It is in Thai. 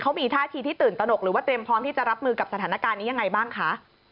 เขามีท่าทีที่ตื่นตนกหรือว่าเตรียมพร้อมที่จะรับมือกับสถานการณ์นี้ยังไงบ้างคะ